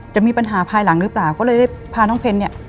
จะมีปัญหาภายหลังหรือเปล่าก็เลยได้พาน้องเพนเนี่ย